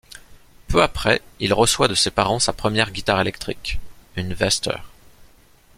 Peu après, il reçoit de ses parents sa première guitare électrique, une Vester.